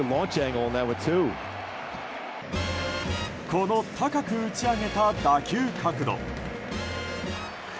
この高く打ち上げた打球角度。